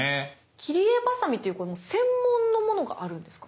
切り絵バサミっていう専門のものがあるんですか？